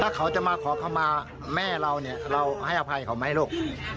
ถ้าเขาจะมาขอคำมาแม่เราเนี่ยเราให้อภัยเขาไหมลูก